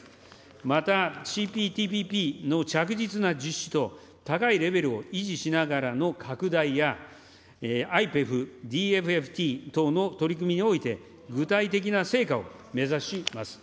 またＣＰＴＰＰの着実な実施と、高いレベルを維持しながらの拡大や、ＩＰＥＦ、ＤＦＦＴ等の取り組みにおいて、具体的な成果を目指します。